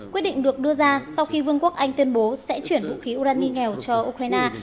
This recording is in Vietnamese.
quyết định được đưa ra sau khi vương quốc anh tuyên bố sẽ chuyển vũ khí urani nghèo cho ukraine